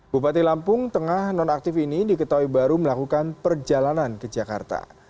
bupati lampung tengah nonaktif ini diketahui baru melakukan perjalanan ke jakarta